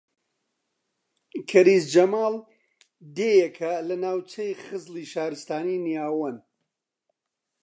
کەریز جەماڵ دێیەکە لە ناوچەی خزڵی شارستانی نیاوەن